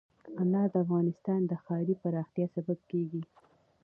انار د افغانستان د ښاري پراختیا سبب کېږي.